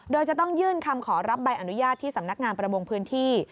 โดยจะต้องยื่นคำขอรับใบอนุญาตที่สำนักงานประมงพื้นที่